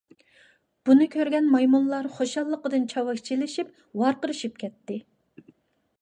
بۇنى كۆرگەن مايمۇنلار خۇشاللىقىدىن چاۋاك چېلىشىپ ۋارقىرىشىپ كەتتى.